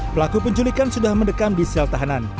pelaku penculikan sudah mendekam di sel tahanan